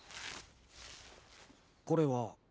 これは。